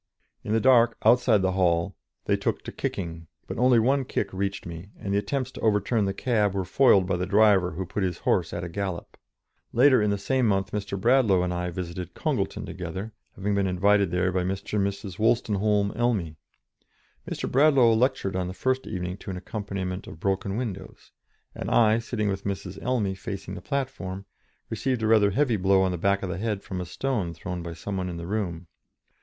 In the dark, outside the hall, they took to kicking, but only one kick reached me, and the attempts to overturn the cab were foiled by the driver, who put his horse at a gallop. Later in the same month Mr. Bradlaugh and I visited Congleton together, having been invited there by Mr. and Mrs. Wolstenholme Elmy. Mr. Bradlaugh lectured on the first evening to an accompaniment of broken windows, and I, sitting with Mrs. Elmy facing the platform, received a rather heavy blow on the back of the head from a stone thrown by some one in the room.